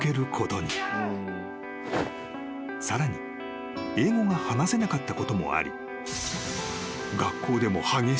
［さらに英語が話せなかったこともあり］